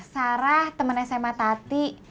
sarah temen sma tati